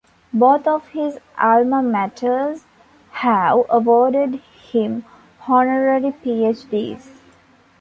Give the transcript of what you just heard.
Both of his alma maters have awarded him honorary PhDs.